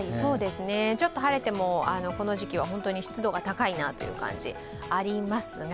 ちょっと晴れても、この時期は湿度が高いなという感じありますが。